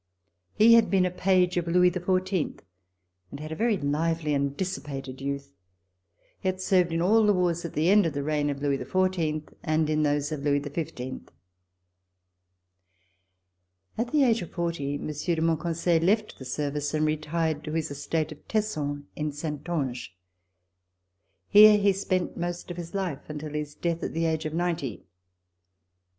He had been a page of Louis XIV and had had a very lively and dissipated youth. He had served in all the wars at the end of the reign of Louis XIV and in those of Louis XV. At the age of forty, Monsieur de Monconseil left the service and retired to his estate of Tesson in Saintonge. Here he spent most of his life until his death at the age of ninety.